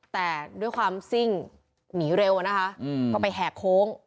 แต่ด้วยความซิ่งหนีเร็วนะคะก็ไปแหกโค้ง